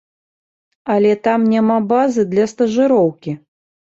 Але там няма базы для стажыроўкі.